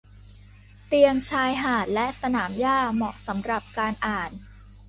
เตียงชายหาดและสนามหญ้าเหมาะสำหรับการอ่าน